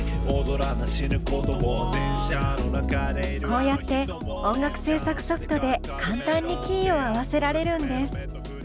こうやって音楽制作ソフトで簡単にキーを合わせられるんです。